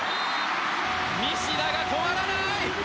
西田が止まらない！